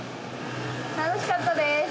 楽しかったです！